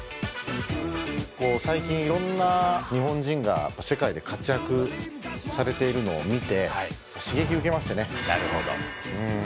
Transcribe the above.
最近色んな日本人が世界で活躍されているのを見て刺激受けましてね